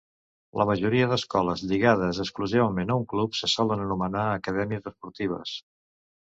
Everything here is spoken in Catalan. La majoria d'escoles lligades exclusivament a un club se solen anomenar acadèmies esportives.